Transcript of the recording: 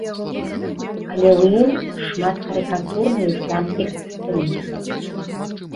Але ў ім шмат карыкатур на ісламскіх экстрэмістаў.